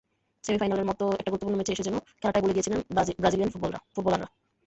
সেমিফাইনালের মতো একটা গুরুত্বপূর্ণ ম্যাচে এসে যেন খেলাটাই ভুলে গিয়েছিলেন ব্রাজিলিয়ান ফুটবলাররা।